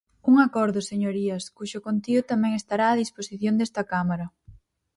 Un acordo, señorías, cuxo contido tamén estará á disposición desta Cámara.